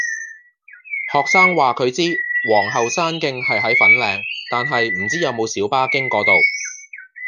學生話佢知皇后山徑係喺粉嶺，但係唔知有冇小巴經嗰度